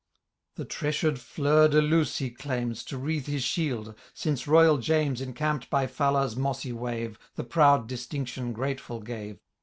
The tressured fleur de luce he claims To wreathe his shield, since royal James, Encamp'd by Fala's mossy wave, fhe proud distinction grateful gave.